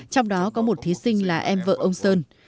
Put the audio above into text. trong đó có một thí sinh là em vợ ông sơn